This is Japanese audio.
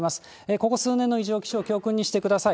ここ数年の異常気象を教訓にしてください。